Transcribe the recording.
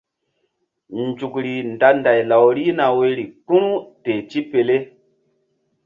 Nzukri nda nday law rihna woyri kpu̧ru tipele teh.